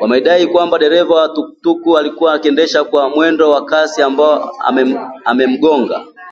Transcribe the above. wamedai kwamba dereva wa tuktuk alikuwa anaendesha kwa mwendo wa kasi ambapo amegonga